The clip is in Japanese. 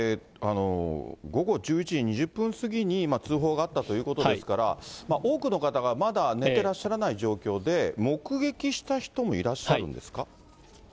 午後１１時２０分過ぎに通報があったということですから、多くの方がまだ寝ていらっしゃらない状況で、目撃した人もいらっしゃるんですか。